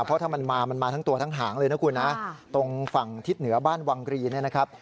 เพราะถ้ามันมามันมาทั้งตัวทั้งหางเลยนะคุณนะตรงฝั่งทิศเหนือบ้านวังรีเนี่ยนะครับ